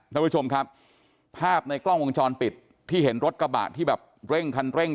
ท่านผู้ชมครับภาพในกล้องวงจรปิดที่เห็นรถกระบะที่แบบเร่งคันเร่ง